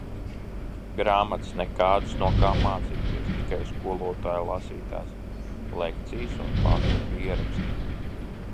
Grāmatas nekādas no kā mācīties, tikai skolotāju lasītās lekcijas un pašu pieraksti.